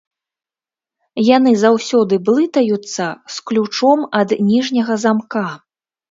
Яны заўсёды блытаюцца з ключом ад ніжняга замка.